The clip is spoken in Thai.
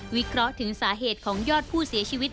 วิเคราะห์ถึงสาเหตุของยอดผู้เสียชีวิต